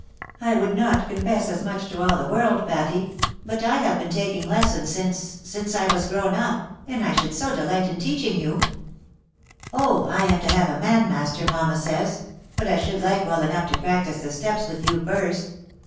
" I would not confess as much to all the world, Patty ; but I have been taking lessons since — since I was grown up, and I should so dehght in teaching you !"" Oh ! I am to have a man master, mamma says ; but I should like well enough to practise the steps with you first.